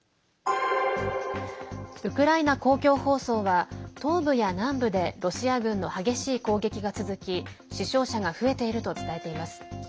ウクライナ公共放送は東部や南部でロシア軍の激しい攻撃が続き死傷者が増えていると伝えています。